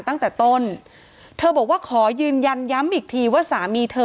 ตั้งแต่ต้นเธอบอกว่าขอยืนยันย้ำอีกทีว่าสามีเธอ